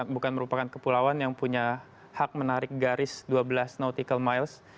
bukan merupakan kepulauan yang punya hak menarik garis dua belas nautical miles